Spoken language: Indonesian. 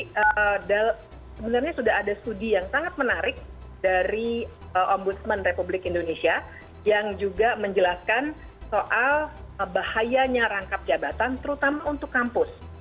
sebenarnya sudah ada studi yang sangat menarik dari ombudsman republik indonesia yang juga menjelaskan soal bahayanya rangkap jabatan terutama untuk kampus